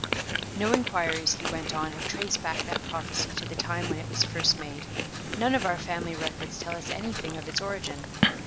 "No inquiries," he went on, "have traced back that prophecy to the time when it was first made; none of our family records tell us anything of its origin.